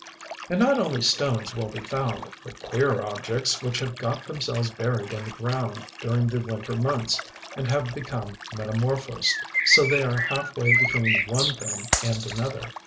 And not only stones will be found, but queer objects which have got themselves buried in the ground during the winter months and have become metamorphosed, so they are half way between one thing and another.